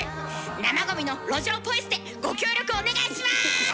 生ゴミの路上ポイ捨てご協力お願いします！